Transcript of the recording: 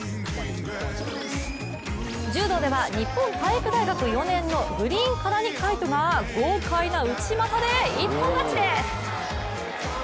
柔道では日本体育大学４年のグリーンカラニ海斗が豪快な内股で一本勝ちです！